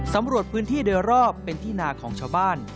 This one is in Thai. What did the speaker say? สำรวจพื้นที่โดยรอบเป็นที่นาของชาวบ้าน